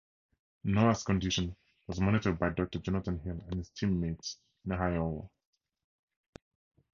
Noah's condition was monitored by Doctor Jonathan Hill and his teammates in Iowa.